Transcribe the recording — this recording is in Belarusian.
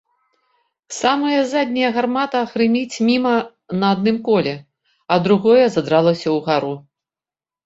Самая задняя гармата грыміць міма на адным коле, а другое задралася ўгару.